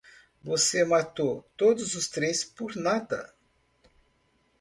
Você matou todos os três por nada.